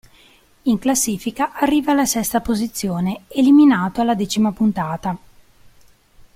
In classifica arriva alla sesta posizione, eliminato alla decima puntata.